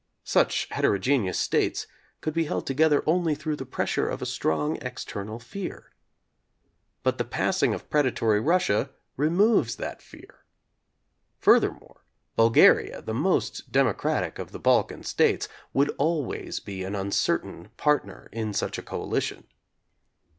Such hetero geneous states could be held together only through the pressure of a strong external fear. But the passing of predatory Russia removes that fear. Furthermore, Bulgaria, the most democratic of the Balkan States, would always be an uncertain part ner in such a coalition.